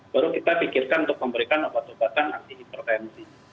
baru kita pikirkan untuk memberikan obat obatan anti hipertensi